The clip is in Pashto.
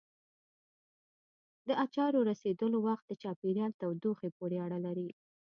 د اچارو رسېدلو وخت د چاپېریال تودوخې پورې اړه لري.